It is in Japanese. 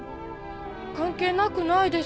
関係なくないですよ。